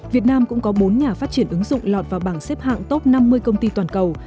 việt nam cũng có bốn nhà phát triển ứng dụng lọt vào bảng xếp hạng top năm mươi công ty toàn cầu